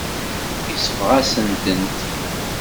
Yesbeɣ-asen-tent.